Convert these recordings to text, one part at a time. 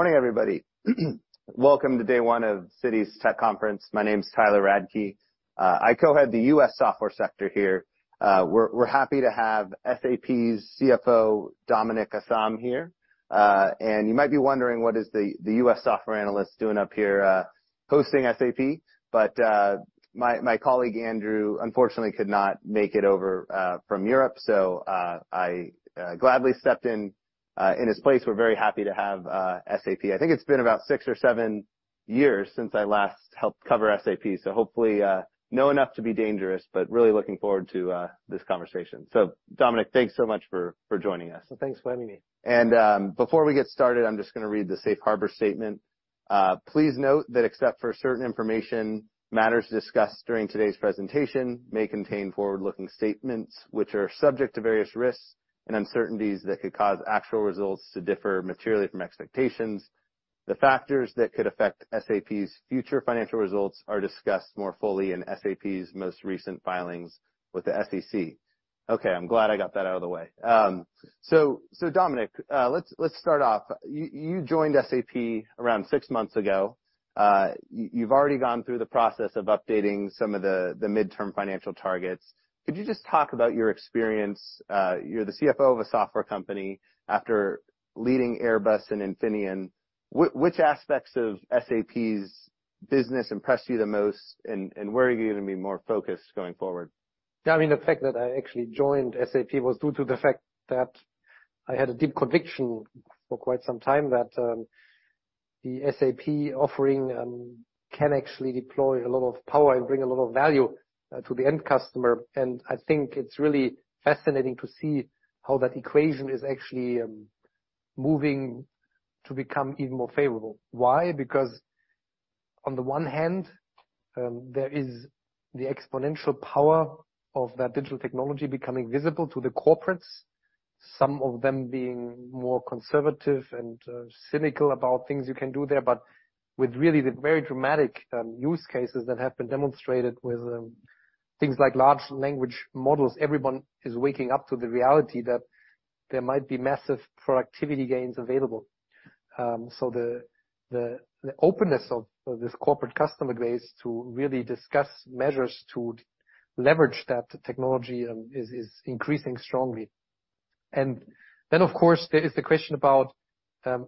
Morning, everybody. Welcome to day one of Citi's tech conference. My name's Tyler Radke. I co-head the U.S. software sector here. We're happy to have SAP's CFO, Dominik Asam, here, and you might be wondering, what is the U.S. software analyst doing up here hosting SAP, but my colleague Andrew, unfortunately, could not make it over from Europe, so I gladly stepped in his place. We're very happy to have SAP. I think it's been about six or seven years since I last helped cover SAP, so hopefully know enough to be dangerous, but really looking forward to this conversation, so Dominik, thanks so much for joining us. Thanks for having me. Before we get started, I'm just going to read the Safe Harbor statement. Please note that except for certain information, matters discussed during today's presentation may contain forward-looking statements, which are subject to various risks and uncertainties that could cause actual results to differ materially from expectations. The factors that could affect SAP's future financial results are discussed more fully in SAP's most recent filings with the SEC. Okay, I'm glad I got that out of the way. So Dominik, let's start off. You joined SAP around six months ago. You've already gone through the process of updating some of the midterm financial targets. Could you just talk about your experience? You're the CFO of a software company. After leading Airbus and Infineon, which aspects of SAP's business impressed you the most? And where are you going to be more focused going forward? Yeah, I mean, the fact that I actually joined SAP was due to the fact that I had a deep conviction for quite some time that the SAP offering can actually deploy a lot of power and bring a lot of value to the end customer. And I think it's really fascinating to see how that equation is actually moving to become even more favorable. Why? Because on the one hand, there is the exponential power of that digital technology becoming visible to the corporates, some of them being more conservative and cynical about things you can do there. But with really the very dramatic use cases that have been demonstrated with things like large language models, everyone is waking up to the reality that there might be massive productivity gains available. So the openness of this corporate customer base to really discuss measures to leverage that technology is increasing strongly. And then, of course, there is the question about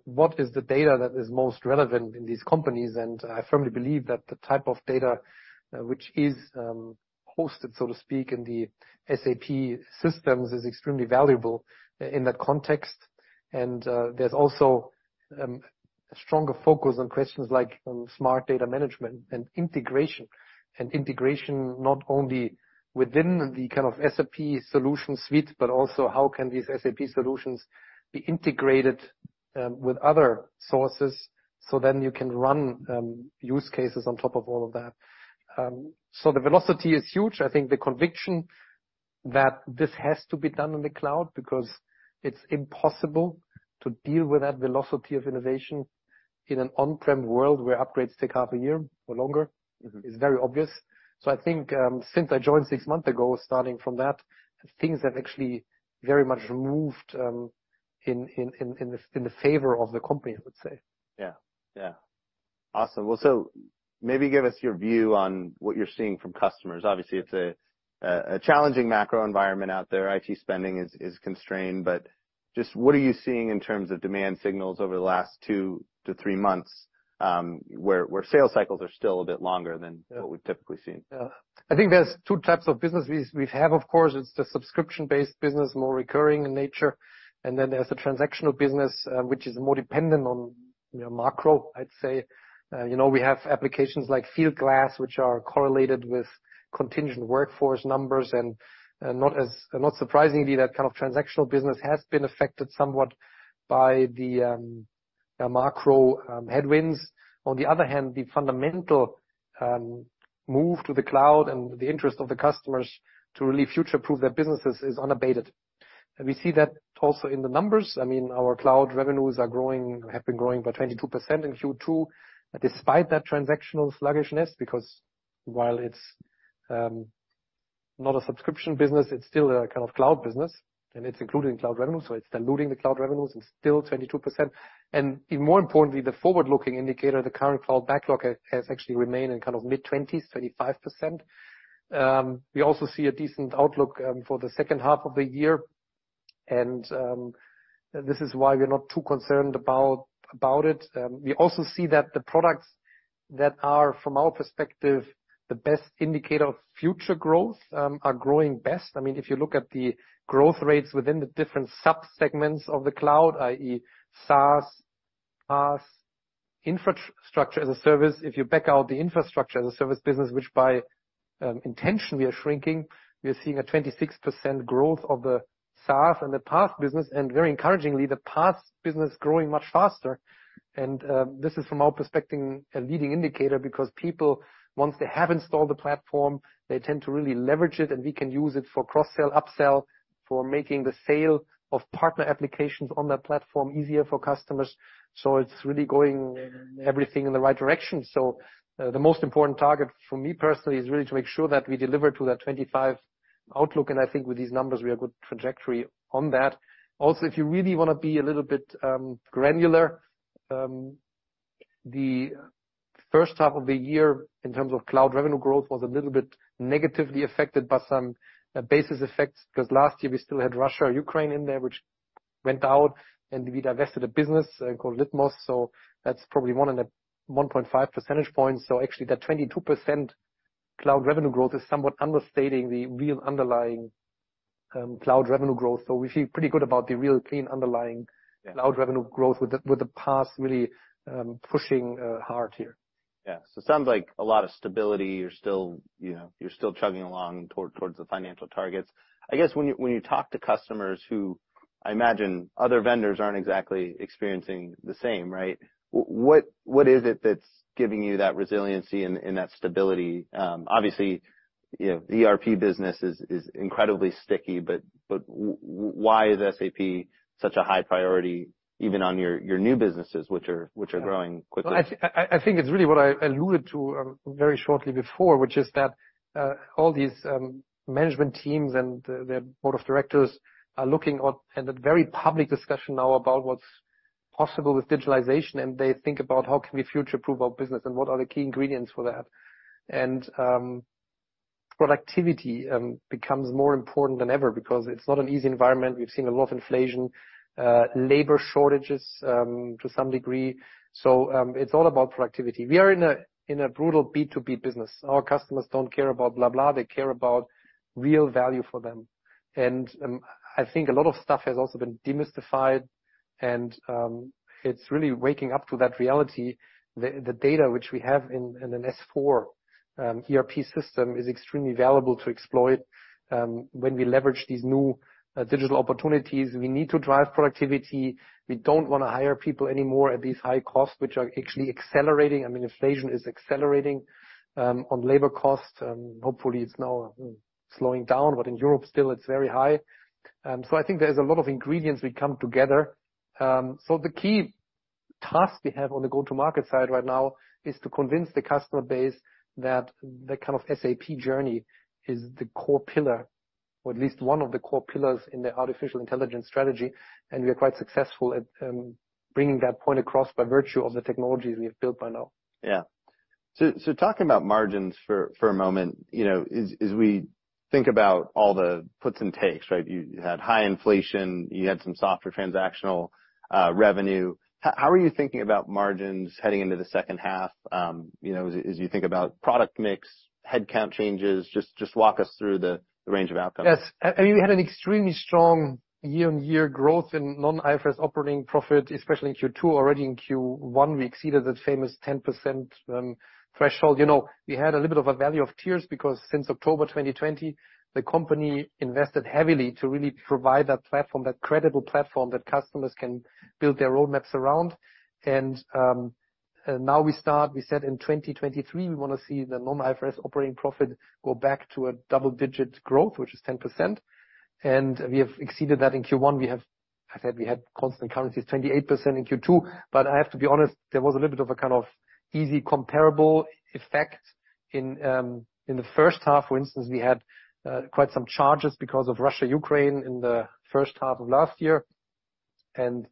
what is the data that is most relevant in these companies. And I firmly believe that the type of data which is hosted, so to speak, in the SAP systems is extremely valuable in that context. And there's also a stronger focus on questions like smart data management and integration, and integration not only within the kind of SAP solution suite, but also how can these SAP solutions be integrated with other sources so then you can run use cases on top of all of that. So the velocity is huge. I think the conviction that this has to be done in the cloud, because it's impossible to deal with that velocity of innovation in an on-prem world where upgrades take half a year or longer, is very obvious, so I think since I joined six months ago, starting from that, things have actually very much moved in the favor of the company, I would say. Yeah, yeah. Awesome. Well, so maybe give us your view on what you're seeing from customers. Obviously, it's a challenging macro environment out there. IT spending is constrained. But just what are you seeing in terms of demand signals over the last two to three months where sales cycles are still a bit longer than what we've typically seen? Yeah, I think there's two types of business we have, of course. It's the subscription-based business, more recurring in nature. And then there's the transactional business, which is more dependent on macro, I'd say. You know, we have applications like Fieldglass, which are correlated with contingent workforce numbers. And not surprisingly, that kind of transactional business has been affected somewhat by the macro headwinds. On the other hand, the fundamental move to the cloud and the interest of the customers to really future-proof their businesses is unabated. And we see that also in the numbers. I mean, our cloud revenues have been growing by 22% in Q2, despite that transactional sluggishness, because while it's not a subscription business, it's still a kind of cloud business. And it's included in cloud revenue. So it's diluting the cloud revenues and still 22%. Even more importantly, the forward-looking indicator, the current cloud backlog, has actually remained in kind of mid-20s, 25%. We also see a decent outlook for the second half of the year. This is why we're not too concerned about it. We also see that the products that are, from our perspective, the best indicator of future growth are growing best. I mean, if you look at the growth rates within the different subsegments of the cloud, i.e., SaaS, PaaS, Infrastructure as a Service, if you back out the Infrastructure as a Service business, which by intention we are shrinking, we are seeing a 26% growth of the SaaS and the PaaS business. Very encouragingly, the PaaS business is growing much faster. This is, from our perspective, a leading indicator, because people, once they have installed the platform, they tend to really leverage it. And we can use it for cross-sell, upsell, for making the sale of partner applications on that platform easier for customers. So it's really going everything in the right direction. So the most important target for me personally is really to make sure that we deliver to that 25 outlook. And I think with these numbers, we have a good trajectory on that. Also, if you really want to be a little bit granular, the first half of the year, in terms of cloud revenue growth, was a little bit negatively affected by some basis effects, because last year we still had Russia and Ukraine in there, which went out. And we divested a business called Litmos. So that's probably 1.5 percentage points. So actually, that 22% cloud revenue growth is somewhat understating the real underlying cloud revenue growth. So we feel pretty good about the real clean underlying cloud revenue growth with the PaaS really pushing hard here. Yeah. So it sounds like a lot of stability. You're still chugging along towards the financial targets. I guess when you talk to customers who, I imagine, other vendors aren't exactly experiencing the same, right? What is it that's giving you that resiliency and that stability? Obviously, the ERP business is incredibly sticky. But why is SAP such a high priority, even on your new businesses, which are growing quickly? I think it's really what I alluded to very shortly before, which is that all these management teams and their board of directors are looking at a very public discussion now about what's possible with digitalization, and they think about how can we future-proof our business and what are the key ingredients for that. And productivity becomes more important than ever, because it's not an easy environment. We've seen a lot of inflation, labor shortages to some degree, so it's all about productivity. We are in a brutal B2B business. Our customers don't care about blah, blah. They care about real value for them, and I think a lot of stuff has also been demystified, and it's really waking up to that reality. The data which we have in an S/4 ERP system is extremely valuable to exploit when we leverage these new digital opportunities. We need to drive productivity. We don't want to hire people anymore at these high costs, which are actually accelerating. I mean, inflation is accelerating on labor cost. Hopefully, it's now slowing down. But in Europe, still, it's very high. So I think there's a lot of ingredients we come together. So the key task we have on the go-to-market side right now is to convince the customer base that the kind of SAP journey is the core pillar, or at least one of the core pillars in the artificial intelligence strategy. And we are quite successful at bringing that point across by virtue of the technologies we have built by now. Yeah. So talking about margins for a moment, as we think about all the puts and takes, right? You had high inflation. You had some softer transactional revenue. How are you thinking about margins heading into the second half? As you think about product mix, headcount changes, just walk us through the range of outcomes. Yes. I mean, we had an extremely strong year-on-year growth in non-IFRS operating profit, especially in Q2. Already in Q1, we exceeded that famous 10% threshold. You know, we had a little bit of a valley of tears, because since October 2020, the company invested heavily to really provide that platform, that credible platform that customers can build their roadmaps around. And now we start, we said in 2023, we want to see the non-IFRS operating profit go back to a double-digit growth, which is 10%. And we have exceeded that in Q1. I said we had constant currencies, 28% in Q2. But I have to be honest, there was a little bit of a kind of easy comparable effect. In the first half, for instance, we had quite some charges because of Russia-Ukraine in the first half of last year. And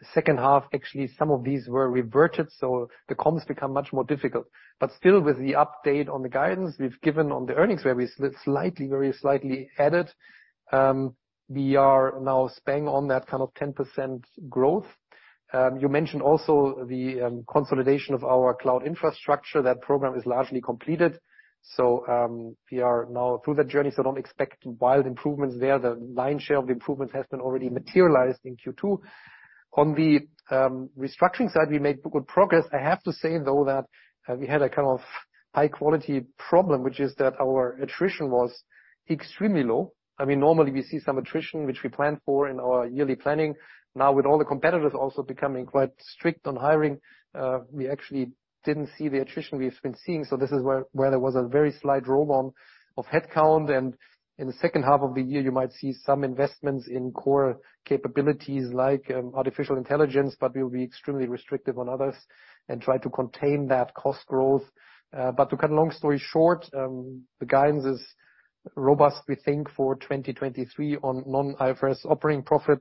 the second half, actually, some of these were reverted. So the comps become much more difficult. But still, with the update on the guidance we've given on the earnings where we slightly, very slightly added, we are now staying on that kind of 10% growth. You mentioned also the consolidation of our cloud infrastructure. That program is largely completed. So we are now through that journey. So don't expect wild improvements there. The lion's share of the improvements has been already materialized in Q2. On the restructuring side, we made good progress. I have to say, though, that we had a kind of high-quality problem, which is that our attrition was extremely low. I mean, normally, we see some attrition, which we plan for in our yearly planning. Now, with all the competitors also becoming quite strict on hiring, we actually didn't see the attrition we've been seeing. So this is where there was a very slight roll on of headcount. And in the second half of the year, you might see some investments in core capabilities like artificial intelligence, but we will be extremely restrictive on others and try to contain that cost growth. But to cut a long story short, the guidance is robust, we think, for 2023 on non-IFRS operating profit.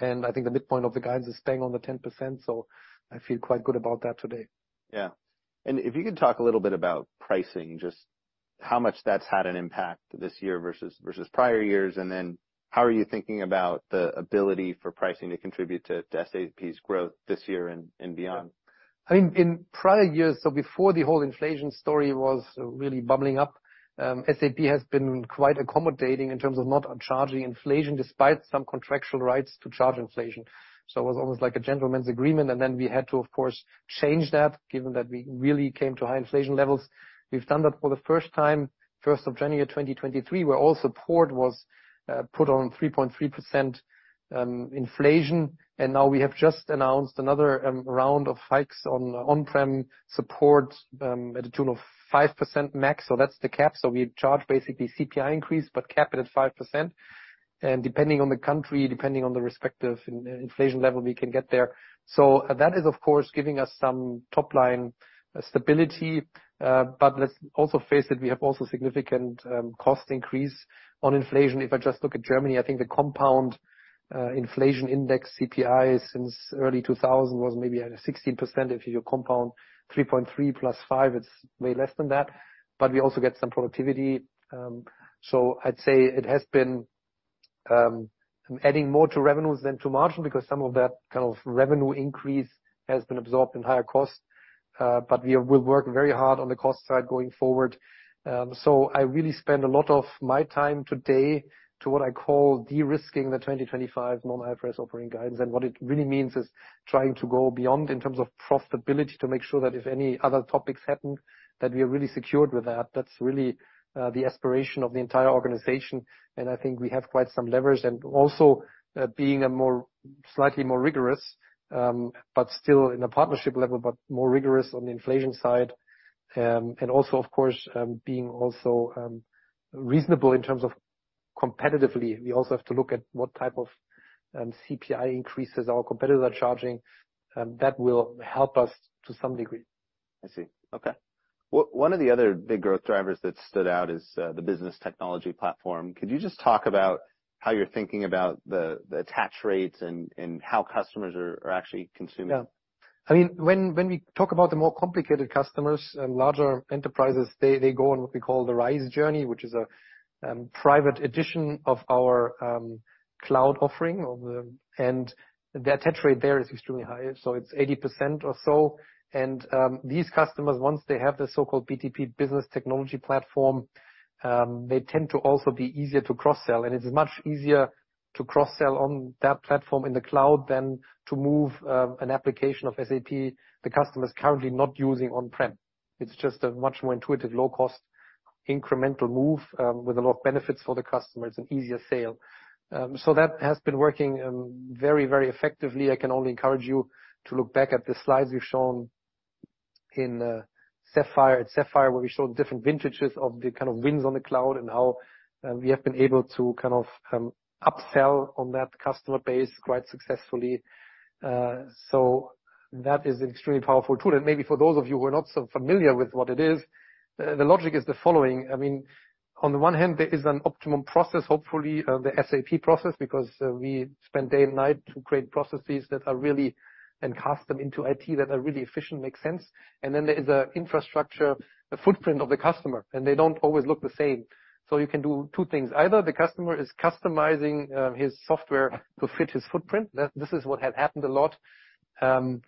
And I think the midpoint of the guidance is staying on the 10%. So I feel quite good about that today. Yeah. And if you could talk a little bit about pricing, just how much that's had an impact this year versus prior years? And then how are you thinking about the ability for pricing to contribute to SAP's growth this year and beyond? I mean, in prior years, so before the whole inflation story was really bubbling up, SAP has been quite accommodating in terms of not charging inflation, despite some contractual rights to charge inflation, so it was almost like a gentlemen's agreement, and then we had to, of course, change that, given that we really came to high inflation levels, we've done that for the first time, 1st of January 2023, where all support was put on 3.3% inflation, and now we have just announced another round of hikes on on-prem support to the tune of 5% max, so that's the cap, so we charge basically CPI increase, but cap it at 5%, and depending on the country, depending on the respective inflation level, we can get there, so that is, of course, giving us some top-line stability, but let's also face it, we have also significant cost increase on inflation. If I just look at Germany, I think the compound inflation index, CPI, since early 2000 was maybe 16%. If you compound 3.3 plus 5, it's way less than that. But we also get some productivity. So I'd say it has been adding more to revenues than to margin, because some of that kind of revenue increase has been absorbed in higher cost. But we will work very hard on the cost side going forward. So I really spend a lot of my time today to what I call de-risking the 2025 non-IFRS operating guidance. And what it really means is trying to go beyond in terms of profitability to make sure that if any other topics happen, that we are really secured with that. That's really the aspiration of the entire organization. And I think we have quite some leverage. And also being slightly more rigorous, but still in a partnership level, but more rigorous on the inflation side. And also, of course, being also reasonable in terms of competitively. We also have to look at what type of CPI increases our competitors are charging. That will help us to some degree. I see. Okay. One of the other big growth drivers that stood out is the Business Technology Platform. Could you just talk about how you're thinking about the attach rates and how customers are actually consuming? Yeah. I mean, when we talk about the more complicated customers and larger enterprises, they go on what we call the RISE journey, which is a private edition of our cloud offering, and the attach rate there is extremely high, so it's 80% or so, and these customers, once they have the so-called BTP Business Technology Platform, they tend to also be easier to cross-sell, and it's much easier to cross-sell on that platform in the cloud than to move an application of SAP the customer is currently not using on-prem. It's just a much more intuitive, low-cost incremental move with a lot of benefits for the customer. It's an easier sale, so that has been working very, very effectively. I can only encourage you to look back at the slides we've shown at Sapphire, where we showed different vintages of the kind of wins on the cloud and how we have been able to kind of upsell on that customer base quite successfully. So that is an extremely powerful tool. And maybe for those of you who are not so familiar with what it is, the logic is the following. I mean, on the one hand, there is an optimum process, hopefully the SAP process, because we spend day and night to create processes that are really and cast them into IT that are really efficient, make sense. And then there is an infrastructure footprint of the customer. And they don't always look the same. So you can do two things. Either the customer is customizing his software to fit his footprint. This is what had happened a lot on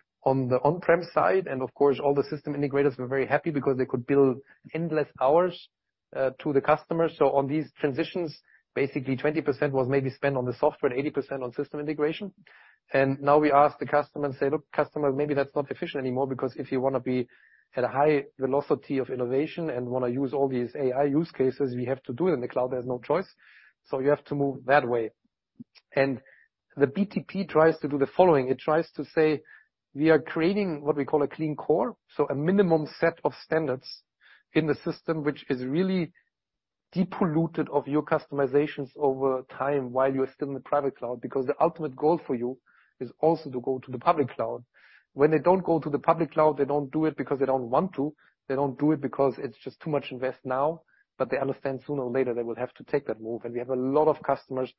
the on-prem side. And of course, all the system integrators were very happy because they could bill endless hours to the customers. So on these transitions, basically 20% was maybe spent on the software and 80% on system integration. And now we ask the customer and say, look, customer, maybe that's not efficient anymore, because if you want to be at a high velocity of innovation and want to use all these AI use cases, we have to do it in the cloud. There's no choice. So you have to move that way. And the BTP tries to do the following. It tries to say, we are creating what we call a clean core. So a minimum set of standards in the system, which is really depolluted of your customizations over time while you are still in the private cloud, because the ultimate goal for you is also to go to the public cloud. When they don't go to the public cloud, they don't do it because they don't want to. They don't do it because it's just too much invest now. But they understand sooner or later they will have to take that move. And we have a lot of customers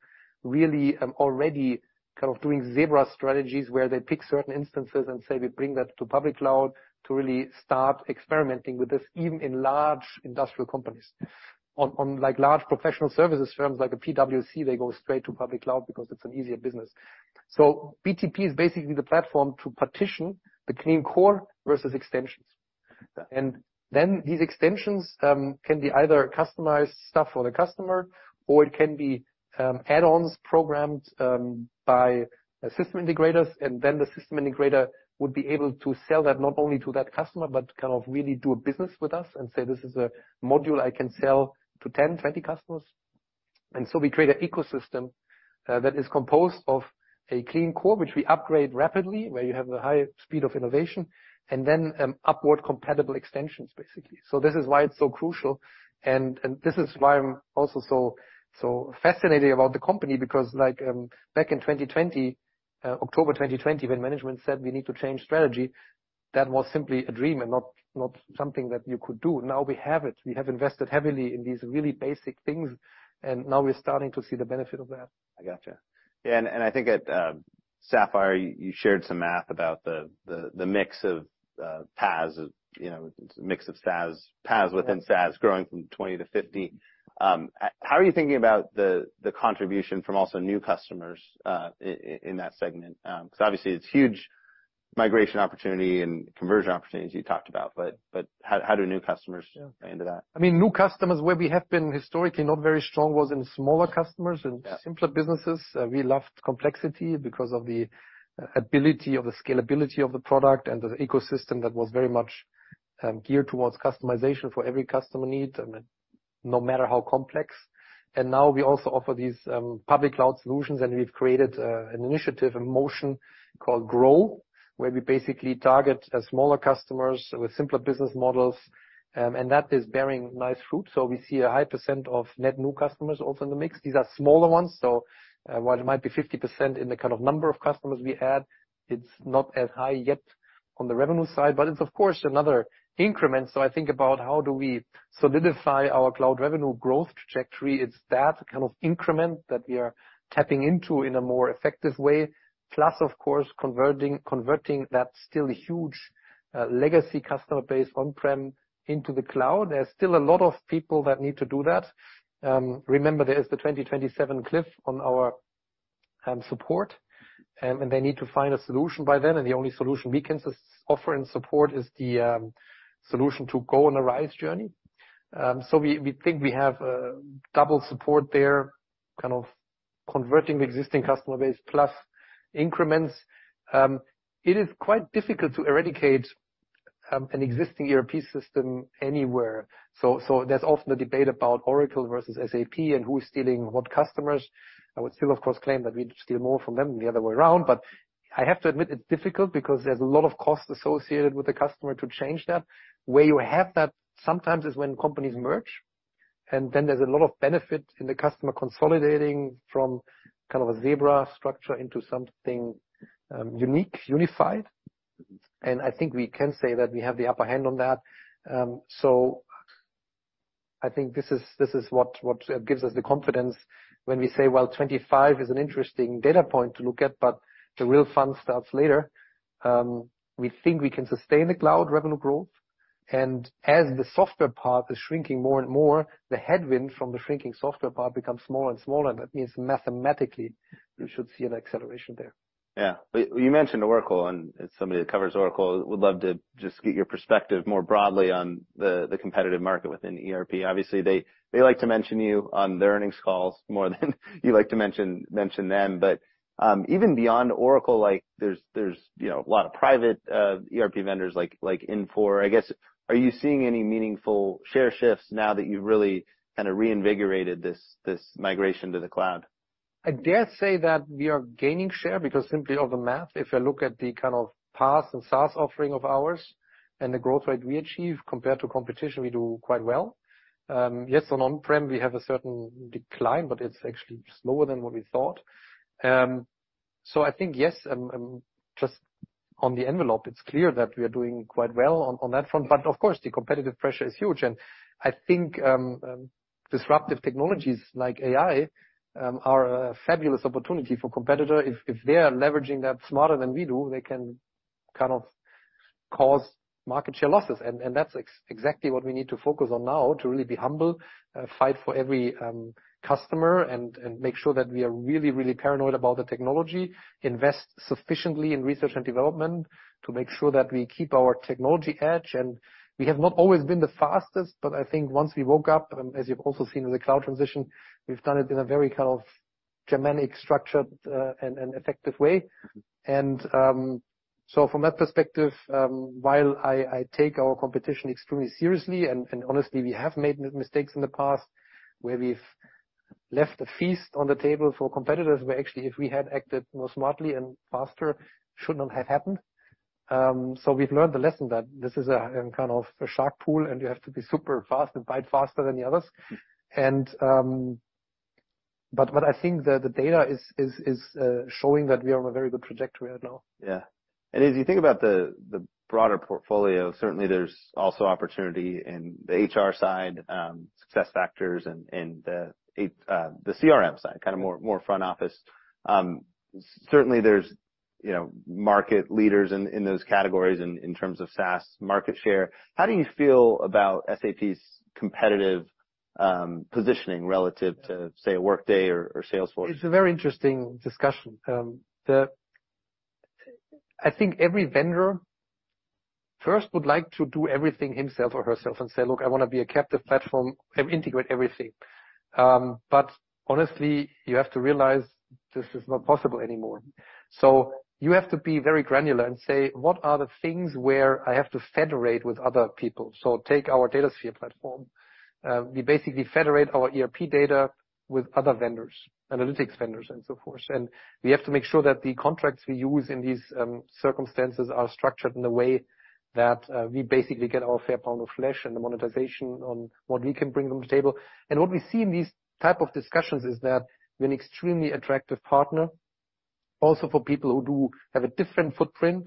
really already kind of doing zebra strategies where they pick certain instances and say, we bring that to public cloud to really start experimenting with this, even in large industrial companies. On large professional services firms like a PwC, they go straight to public cloud because it's an easier business. So BTP is basically the platform to partition the clean core versus extensions. And then these extensions can be either customized stuff for the customer, or it can be add-ons programmed by system integrators. And then the system integrator would be able to sell that not only to that customer, but kind of really do a business with us and say, this is a module I can sell to 10, 20 customers. And so we create an ecosystem that is composed of a clean core, which we upgrade rapidly, where you have a high speed of innovation, and then upward compatible extensions, basically. So this is why it's so crucial. And this is why I'm also so fascinated about the company, because back in 2020, October 2020, when management said we need to change strategy, that was simply a dream and not something that you could do. Now we have it. We have invested heavily in these really basic things, and now we're starting to see the benefit of that. I gotcha. Yeah. And I think at Sapphire, you shared some math about the mix of PaaS, mix of PaaS within SaaS growing from 20 to 50. How are you thinking about the contribution from also new customers in that segment? Because obviously, it's huge migration opportunity and conversion opportunities you talked about. But how do new customers play into that? I mean, new customers, where we have been historically not very strong, was in smaller customers and simpler businesses. We loved complexity because of the ability of the scalability of the product and the ecosystem that was very much geared towards customization for every customer need, no matter how complex. And now we also offer these public cloud solutions. And we've created an initiative, a motion called GROW, where we basically target smaller customers with simpler business models. And that is bearing nice fruit. So we see a high % of net new customers also in the mix. These are smaller ones. So while it might be 50% in the kind of number of customers we add, it's not as high yet on the revenue side. But it's, of course, another increment. So I think about how do we solidify our cloud revenue growth trajectory. It's that kind of increment that we are tapping into in a more effective way. Plus, of course, converting that still huge legacy customer base on-prem into the cloud. There's still a lot of people that need to do that. Remember, there is the 2027 cliff on our support, and they need to find a solution by then, and the only solution we can offer and support is the solution to go on a RISE journey, so we think we have double support there, kind of converting the existing customer base plus increments. It is quite difficult to eradicate an existing ERP system anywhere, so there's often a debate about Oracle versus SAP and who is stealing what customers. I would still, of course, claim that we steal more from them than the other way around. But I have to admit, it's difficult because there's a lot of cost associated with the customer to change that. Where you have that sometimes is when companies merge. And then there's a lot of benefit in the customer consolidating from kind of a Zebra strategy into something unique, unified. And I think we can say that we have the upper hand on that. So I think this is what gives us the confidence when we say, well, 25 is an interesting data point to look at, but the real fun starts later. We think we can sustain the cloud revenue growth. And as the software part is shrinking more and more, the headwind from the shrinking software part becomes smaller and smaller. That means mathematically, we should see an acceleration there. Yeah. You mentioned Oracle, and as somebody that covers Oracle, would love to just get your perspective more broadly on the competitive market within ERP. Obviously, they like to mention you on their earnings calls more than you like to mention them, but even beyond Oracle, there's a lot of private ERP vendors like Infor. I guess, are you seeing any meaningful share shifts now that you've really kind of reinvigorated this migration to the cloud? I dare say that we are gaining share because simply of the math, if I look at the kind of pace and SaaS offering of ours and the growth rate we achieve compared to competition, we do quite well. Yes, on-prem, we have a certain decline, but it's actually slower than what we thought, so I think, yes, just back of the envelope, it's clear that we are doing quite well on that front, but of course, the competitive pressure is huge, and I think disruptive technologies like AI are a fabulous opportunity for competitors. If they're leveraging that smarter than we do, they can kind of cause market share losses. And that's exactly what we need to focus on now to really be humble, fight for every customer, and make sure that we are really, really paranoid about the technology, invest sufficiently in research and development to make sure that we keep our technology edge. And we have not always been the fastest, but I think once we woke up, as you've also seen with the cloud transition, we've done it in a very kind of Germanic structured and effective way. And so from that perspective, while I take our competition extremely seriously, and honestly, we have made mistakes in the past where we've left a feast on the table for competitors where actually, if we had acted more smartly and faster, it should not have happened. So we've learned the lesson that this is a kind of a shark pool, and you have to be super fast and bite faster than the others. But I think the data is showing that we are on a very good trajectory right now. Yeah. And as you think about the broader portfolio, certainly there's also opportunity in the HR side, SuccessFactors, and the CRM side, kind of more front office. Certainly, there's market leaders in those categories in terms of SaaS market share. How do you feel about SAP's competitive positioning relative to, say, a Workday or Salesforce? It's a very interesting discussion. I think every vendor first would like to do everything himself or herself and say, look, I want to be a captive platform and integrate everything. But honestly, you have to realize this is not possible anymore. So you have to be very granular and say, what are the things where I have to federate with other people? So take our Datasphere platform. We basically federate our ERP data with other vendors, analytics vendors, and so forth. And we have to make sure that the contracts we use in these circumstances are structured in a way that we basically get our fair pound of flesh and the monetization on what we can bring on the table. And what we see in these types of discussions is that we're an extremely attractive partner, also for people who do have a different footprint.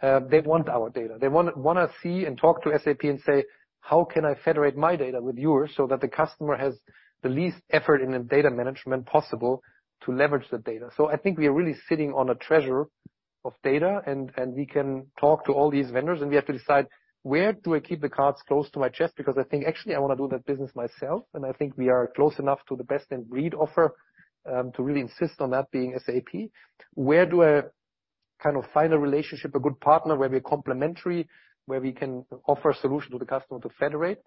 They want our data. They want to see and talk to SAP and say, how can I federate my data with yours so that the customer has the least effort in data management possible to leverage the data? So I think we are really sitting on a treasure of data. And we can talk to all these vendors. And we have to decide, where do I keep the cards close to my chest? Because I think, actually, I want to do that business myself. And I think we are close enough to the best-in-breed offer to really insist on that being SAP. Where do I kind of find a relationship, a good partner where we're complementary, where we can offer a solution to the customer to federate?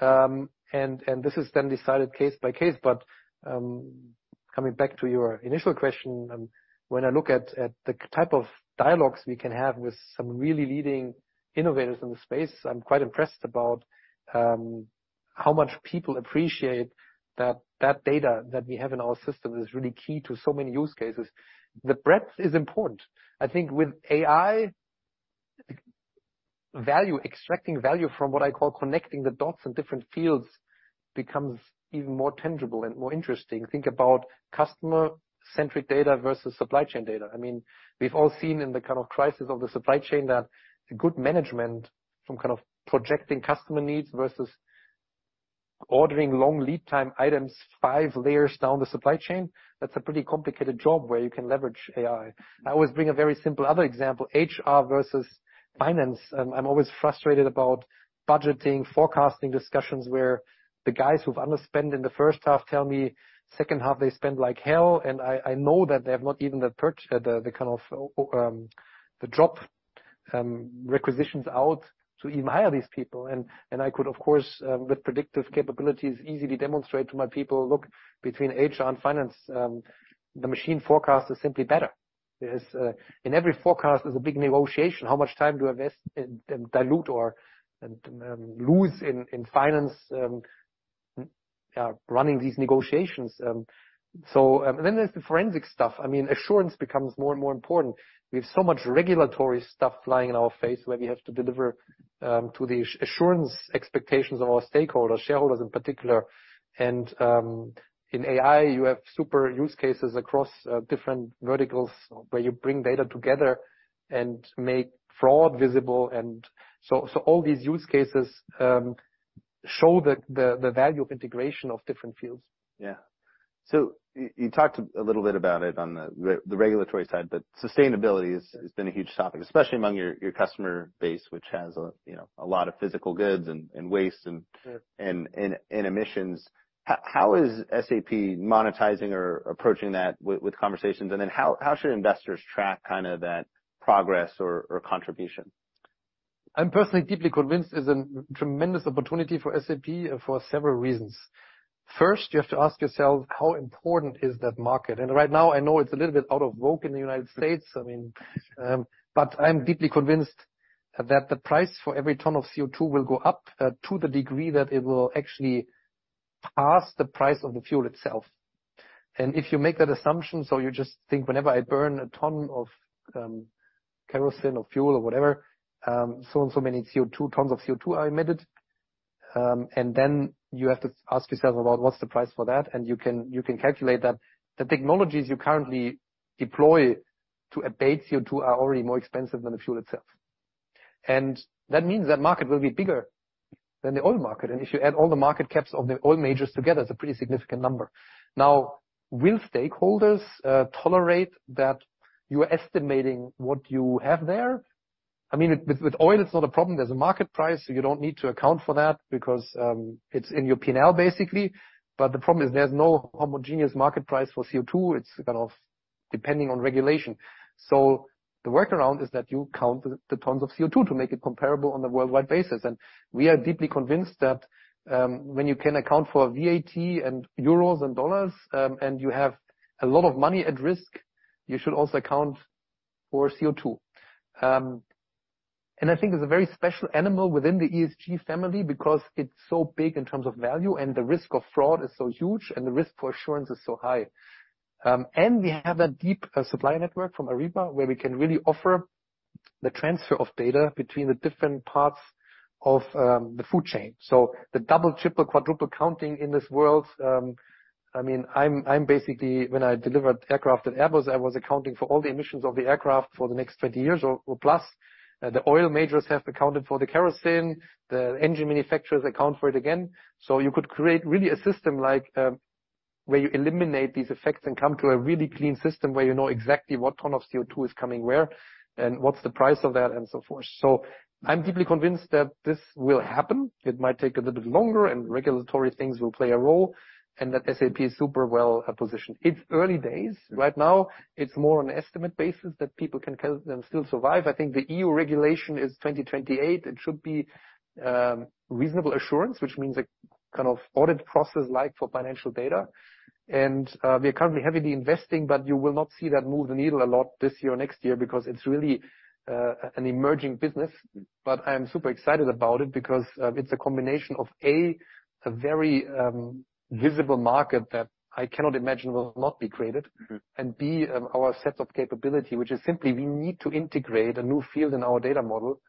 And this is then decided case by case. But coming back to your initial question, when I look at the type of dialogues we can have with some really leading innovators in the space, I'm quite impressed about how much people appreciate that data that we have in our system is really key to so many use cases. The breadth is important. I think with AI, extracting value from what I call connecting the dots in different fields becomes even more tangible and more interesting. Think about customer-centric data versus supply chain data. I mean, we've all seen in the kind of crisis of the supply chain that good management from kind of projecting customer needs versus ordering long lead time items five layers down the supply chain, that's a pretty complicated job where you can leverage AI. I always bring a very simple other example, HR versus finance. I'm always frustrated about budgeting, forecasting discussions where the guys who've under-spent in the first half tell me second half they spend like hell. And I know that they have not even the kind of the job requisitions out to even hire these people. And I could, of course, with predictive capabilities, easily demonstrate to my people, look, between HR and finance, the machine forecast is simply better. In every forecast, there's a big negotiation. How much time do I dilute or lose in finance running these negotiations? So then there's the forensic stuff. I mean, assurance becomes more and more important. We have so much regulatory stuff flying in our face where we have to deliver to the assurance expectations of our stakeholders, shareholders in particular. And in AI, you have super use cases across different verticals where you bring data together and make fraud visible. All these use cases show the value of integration of different fields. Yeah. So you talked a little bit about it on the regulatory side, but sustainability has been a huge topic, especially among your customer base, which has a lot of physical goods and waste and emissions. How is SAP monetizing or approaching that with conversations? And then how should investors track kind of that progress or contribution? I'm personally deeply convinced it's a tremendous opportunity for SAP for several reasons. First, you have to ask yourself, how important is that market, and right now, I know it's a little bit out of vogue in the United States, I mean, but I'm deeply convinced that the price for every ton of CO2 will go up to the degree that it will actually pass the price of the fuel itself, and if you make that assumption, so you just think, whenever I burn a ton of kerosene or fuel or whatever, so and so many tons of CO2 are emitted, and then you have to ask yourself about what's the price for that, and you can calculate that the technologies you currently deploy to abate CO2 are already more expensive than the fuel itself, and that means that market will be bigger than the oil market. And if you add all the market caps of the oil majors together, it's a pretty significant number. Now, will stakeholders tolerate that you're estimating what you have there? I mean, with oil, it's not a problem. There's a market price. So you don't need to account for that because it's in your P&L, basically. But the problem is there's no homogeneous market price for CO2. It's kind of depending on regulation. So the workaround is that you count the tons of CO2 to make it comparable on a worldwide basis. And we are deeply convinced that when you can account for VAT and euros and dollars, and you have a lot of money at risk, you should also account for CO2. And I think there's a very special animal within the ESG family because it's so big in terms of value. And the risk of fraud is so huge. The risk for assurance is so high. We have a deep supply network from Ariba where we can really offer the transfer of data between the different parts of the food chain. The double, triple, quadruple counting in this world, I mean, I'm basically, when I delivered aircraft and Airbuses, I was accounting for all the emissions of the aircraft for the next 20 years or plus. The oil majors have accounted for the kerosene. The engine manufacturers account for it again. You could create really a system where you eliminate these effects and come to a really clean system where you know exactly what ton of CO2 is coming where and what's the price of that and so forth. I'm deeply convinced that this will happen. It might take a little bit longer, and regulatory things will play a role, and that SAP is super well positioned. It's early days. Right now, it's more on an estimate basis that people can still survive. I think the E.U. regulation is 2028. It should be reasonable assurance, which means a kind of audit process like for financial data. And we are currently heavily investing, but you will not see that move the needle a lot this year or next year because it's really an emerging business. But I'm super excited about it because it's a combination of, A, a very visible market that I cannot imagine will not be created, and, B, our set of capability, which is simply we need to integrate a new field in our data model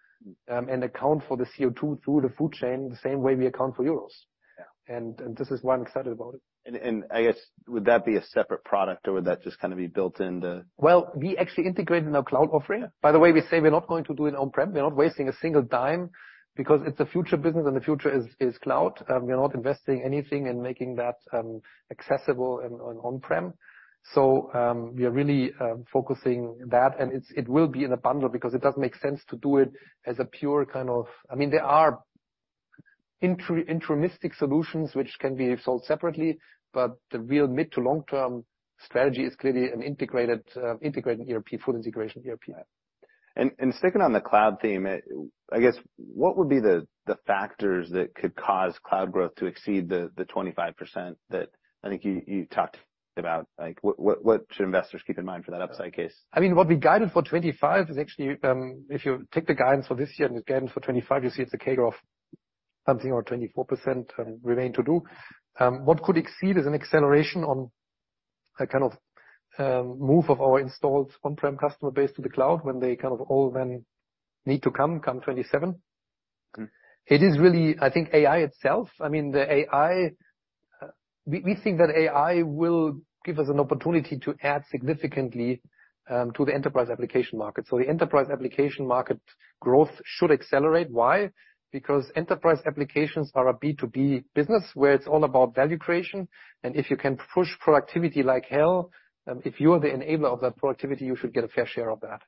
and account for the CO2 through the supply chain the same way we account for euros. This is why I'm excited about it. And I guess, would that be a separate product, or would that just kind of be built into? We actually integrate in our cloud offering. By the way, we say we're not going to do it on-prem. We're not wasting a single dime because it's a future business, and the future is cloud. We're not investing anything in making that accessible on-prem. So we are really focusing that. And it will be in a bundle because it doesn't make sense to do it as a pure kind of, I mean, there are intrinsic solutions which can be sold separately. But the real mid to long-term strategy is clearly an integrated ERP, full integration ERP. Sticking on the cloud theme, I guess, what would be the factors that could cause cloud growth to exceed the 25% that I think you talked about? What should investors keep in mind for that upside case? I mean, what we guided for 2025 is actually, if you take the guidance for this year and you guide it for 2025, you see it's like 8% growth, something like 24% remaining to do. What could exceed is an acceleration on a kind of move of our installed on-prem customer base to the cloud when they kind of all then need to come 2027. It is really, I think, AI itself. I mean, the AI, we think that AI will give us an opportunity to add significantly to the enterprise application market. So the enterprise application market growth should accelerate. Why? Because enterprise applications are a B2B business where it's all about value creation, and if you can push productivity like hell, if you are the enabler of that productivity, you should get a fair share of that.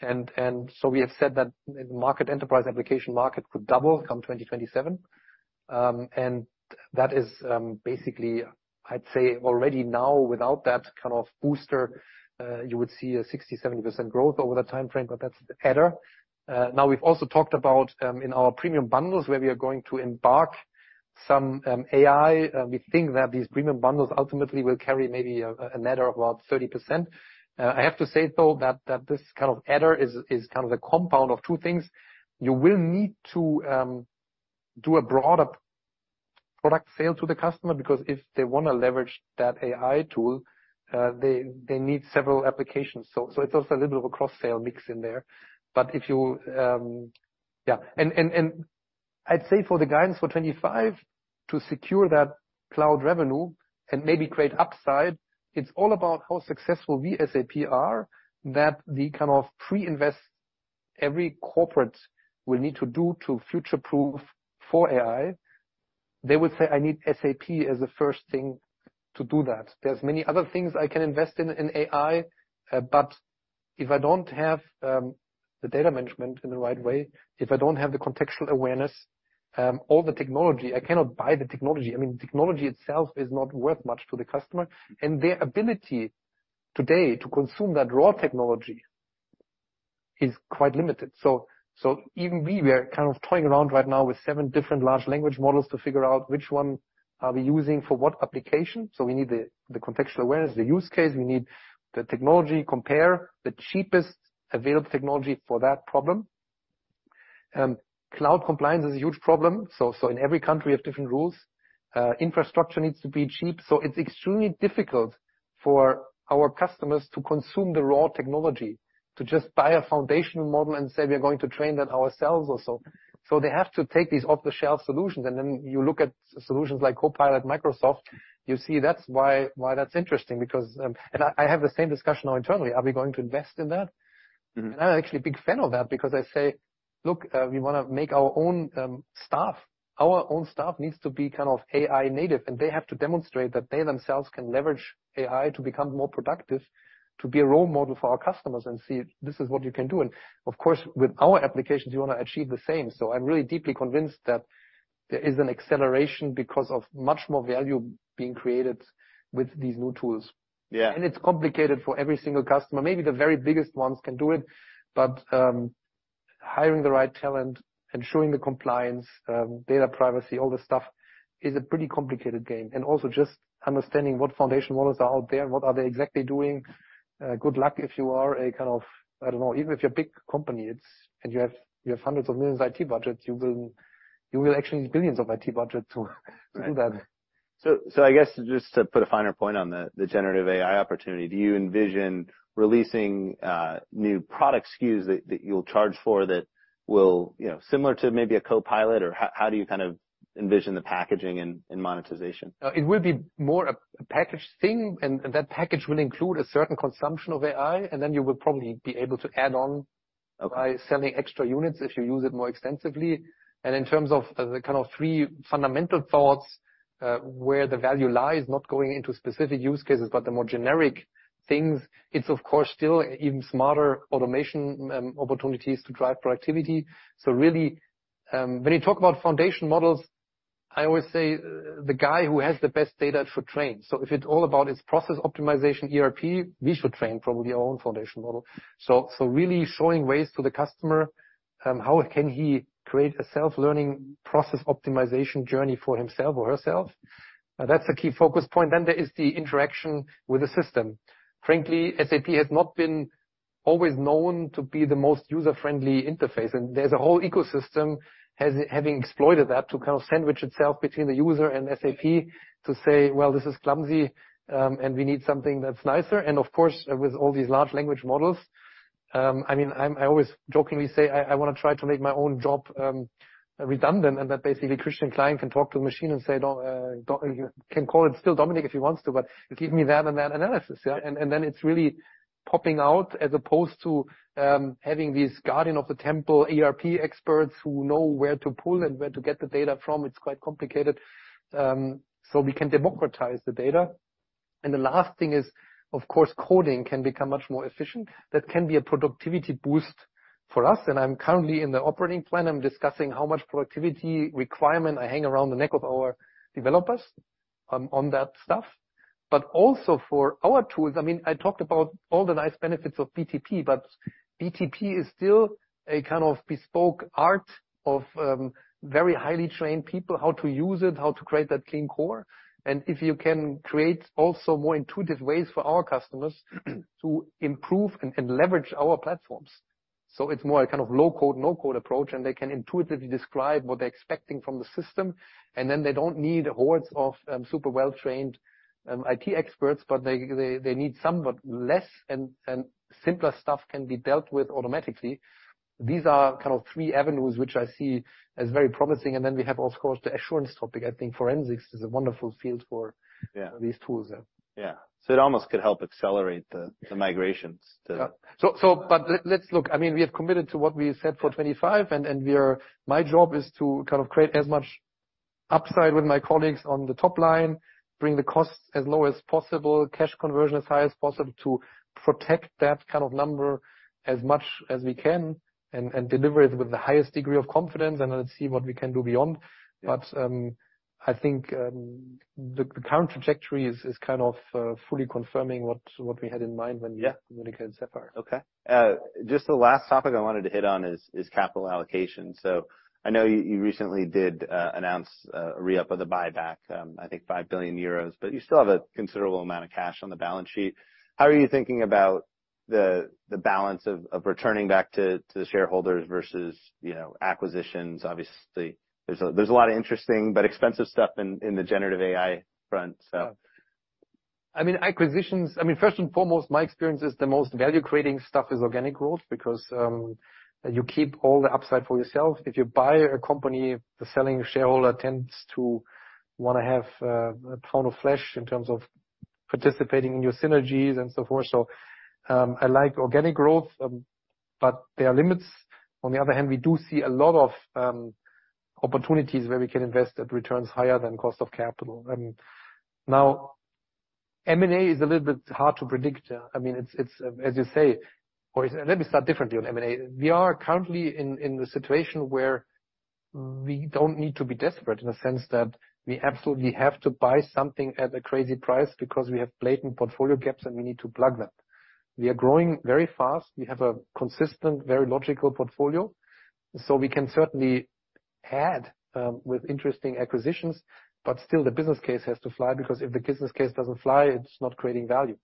And so we have said that the market enterprise application market could double come 2027. And that is basically, I'd say, already now without that kind of booster, you would see a 60%-70% growth over the time frame, but that's the header. Now, we've also talked about in our premium bundles where we are going to embark some AI. We think that these premium bundles ultimately will carry maybe a net of about 30%. I have to say, though, that this kind of header is kind of a compound of two things. You will need to do a broader product sale to the customer because if they want to leverage that AI tool, they need several applications. So it's also a little bit of a cross-sale mix in there. But if you, yeah. I'd say for the guidance for 2025, to secure that cloud revenue and maybe create upside, it's all about how successful we as SAP are that the kind of pre-invest every corporate will need to do to future-proof for AI. They will say, I need SAP as the first thing to do that. There's many other things I can invest in AI. But if I don't have the data management in the right way, if I don't have the contextual awareness, all the technology, I cannot buy the technology. I mean, technology itself is not worth much to the customer. And their ability today to consume that raw technology is quite limited. So even we were kind of toying around right now with seven different large language models to figure out which one are we using for what application. So we need the contextual awareness, the use case. We need the technology, compare the cheapest available technology for that problem. Cloud compliance is a huge problem. So in every country, we have different rules. Infrastructure needs to be cheap. So it's extremely difficult for our customers to consume the raw technology, to just buy a foundational model and say, we are going to train that ourselves or so. So they have to take these off-the-shelf solutions. And then you look at solutions like Copilot, Microsoft. You see that's why that's interesting because I have the same discussion now internally. Are we going to invest in that? And I'm actually a big fan of that because I say, look, we want to make our own staff. Our own staff needs to be kind of AI native. They have to demonstrate that they themselves can leverage AI to become more productive, to be a role model for our customers. And see, this is what you can do. And of course, with our applications, you want to achieve the same. So I'm really deeply convinced that there is an acceleration because of much more value being created with these new tools. And it's complicated for every single customer. Maybe the very biggest ones can do it. But hiring the right talent, ensuring the compliance, data privacy, all this stuff is a pretty complicated game. And also just understanding what foundation models are out there and what are they exactly doing. Good luck if you are a kind of, I don't know, even if you're a big company and you have hundreds of millions IT budget, you will actually need billions of IT budget to do that. So I guess just to put a finer point on the generative AI opportunity, do you envision releasing new product SKUs that you'll charge for that will be similar to maybe a Copilot? Or how do you kind of envision the packaging and monetization? It will be more a package thing. And that package will include a certain consumption of AI. And then you will probably be able to add on by selling extra units if you use it more extensively. And in terms of the kind of three fundamental thoughts where the value lies not going into specific use cases, but the more generic things, it's, of course, still even smarter automation opportunities to drive productivity. So really, when you talk about foundation models, I always say the guy who has the best data should train. So if it's all about its process optimization, ERP, we should train probably our own foundation model. So really showing ways to the customer, how can he create a self-learning process optimization journey for himself or herself? That's a key focus point. Then there is the interaction with the system. Frankly, SAP has not been always known to be the most user-friendly interface, and there's a whole ecosystem having exploited that to kind of sandwich itself between the user and SAP to say, well, this is clumsy, and we need something that's nicer, and of course, with all these large language models, I mean, I always jokingly say, I want to try to make my own job redundant, and that basically Christian Klein can talk to the machine and say, can call it still Dominik if he wants to, but give me that and that analysis, and then it's really popping out as opposed to having these guardian of the temple ERP experts who know where to pull and where to get the data from, it's quite complicated, so we can democratize the data, and the last thing is, of course, coding can become much more efficient. That can be a productivity boost for us, and I'm currently in the operating plan, discussing how much productivity requirement I hang around the neck of our developers on that stuff, but also for our tools. I mean, I talked about all the nice benefits of BTP, but BTP is still a kind of bespoke art of very highly trained people, how to use it, how to create that clean core, and if you can create also more intuitive ways for our customers to improve and leverage our platforms, so it's more a kind of low-code, no-code approach. And they can intuitively describe what they're expecting from the system, and then they don't need hordes of super well-trained IT experts, but they need somewhat less, and simpler stuff can be dealt with automatically. These are kind of three avenues which I see as very promising. We have also, of course, the assurance topic. I think forensics is a wonderful field for these tools. Yeah. So it almost could help accelerate the migrations. But let's look. I mean, we have committed to what we said for 2025. And my job is to kind of create as much upside with my colleagues on the top line, bring the cost as low as possible, cash conversion as high as possible to protect that kind of number as much as we can and deliver it with the highest degree of confidence. And let's see what we can do beyond. But I think the current trajectory is kind of fully confirming what we had in mind when we communicated with SAP. Okay. Just the last topic I wanted to hit on is capital allocation. So I know you recently did announce a re-up of the buyback, I think, 5 billion euros, but you still have a considerable amount of cash on the balance sheet. How are you thinking about the balance of returning back to the shareholders versus acquisitions? Obviously, there's a lot of interesting but expensive stuff in the generative AI front, so. I mean, acquisitions. I mean, first and foremost, my experience is the most value-creating stuff is organic growth because you keep all the upside for yourself. If you buy a company, the selling shareholder tends to want to have a pound of flesh in terms of participating in your synergies and so forth. So I like organic growth, but there are limits. On the other hand, we do see a lot of opportunities where we can invest at returns higher than cost of capital. Now, M&A is a little bit hard to predict. I mean, as you say, or let me start differently on M&A. We are currently in a situation where we don't need to be desperate in the sense that we absolutely have to buy something at a crazy price because we have blatant portfolio gaps and we need to plug them. We are growing very fast. We have a consistent, very logical portfolio, so we can certainly add with interesting acquisitions, but still the business case has to fly because if the business case doesn't fly, it's not creating value,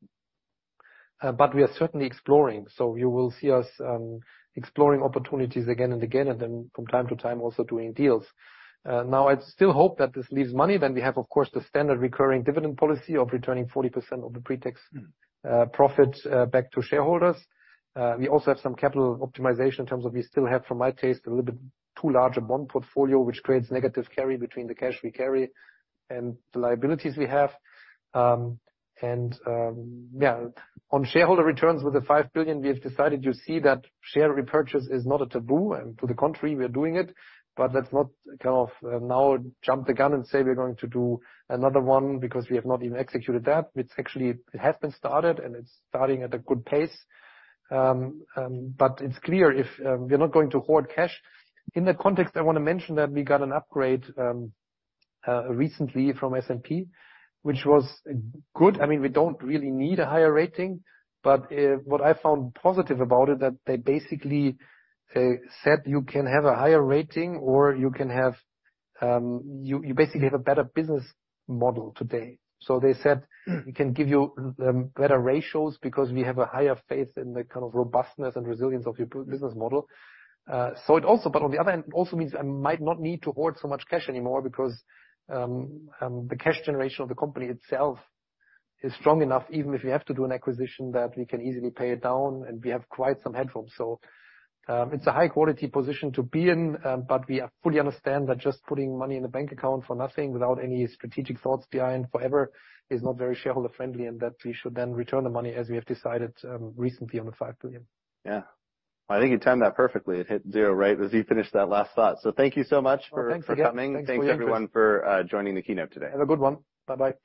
but we are certainly exploring, so you will see us exploring opportunities again and again and then from time to time also doing deals. Now, I still hope that this leaves money, then we have, of course, the standard recurring dividend policy of returning 40% of the pre-tax profit back to shareholders. We also have some capital optimization in terms of we still have, to my taste, a little bit too large a bond portfolio, which creates negative carry between the cash we carry and the liabilities we have, and yeah, on shareholder returns with the 5 billion, we have decided, you see, that share repurchase is not a taboo. And to the contrary, we are doing it. But let's not kind of now jump the gun and say we're going to do another one because we have not even executed that. It's actually it has been started and it's starting at a good pace. But it's clear if we're not going to hoard cash. In that context, I want to mention that we got an upgrade recently from S&P, which was good. I mean, we don't really need a higher rating. But what I found positive about it, that they basically said you can have a higher rating or you can have you basically have a better business model today. So they said we can give you better ratios because we have a higher faith in the kind of robustness and resilience of your business model. So it also, but on the other hand, also means I might not need to hoard so much cash anymore because the cash generation of the company itself is strong enough, even if we have to do an acquisition, that we can easily pay it down. And we have quite some headroom. So it's a high-quality position to be in. But we fully understand that just putting money in a bank account for nothing without any strategic thoughts behind forever is not very shareholder-friendly and that we should then return the money as we have decided recently on the €5 billion. Yeah. I think you timed that perfectly. It hit zero rate as you finished that last thought. So thank you so much for coming. Thanks for coming. Thanks, everyone, for joining the keynote today. Have a good one. Bye-bye.